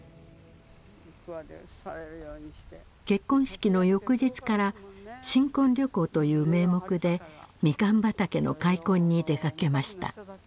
結婚式の翌日から新婚旅行という名目でミカン畑の開墾に出かけました。